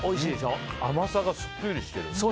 甘さがすっきりしてる。